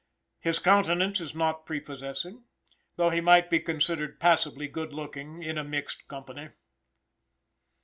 His countenance is not prepossessing, though he might be considered passably good looking in a mixed company.